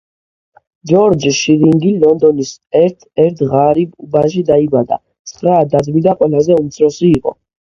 ჯორჯ შირინგი ლონდონის ერთ-ერთ ღარიბ უბანში დაიბადა, ცხრა და-ძმიდან ყველაზე უმცროსი იყო.